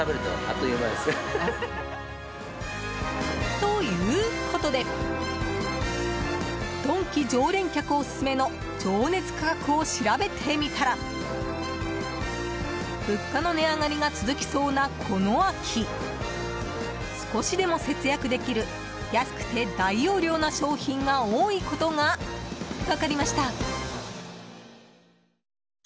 ということでドンキ常連客オススメの情熱価格を調べてみたら物価の値上がりが続きそうなこの秋少しでも節約できる安くて大容量な商品が多いことが分かりました。